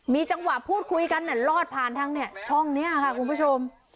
มีจังหวะพูดคุยกันเนี่ยรอดผ่านทั้งเนี่ยช่องเนี้ยค่ะคุณผู้ชม